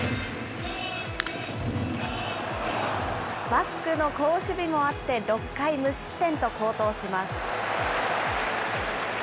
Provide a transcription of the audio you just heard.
バックの好守備もあって６回無失点と好投します。